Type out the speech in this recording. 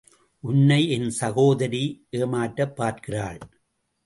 உன்னை என் சகோதரி ஏமாற்றப் பார்க்கிறாள்.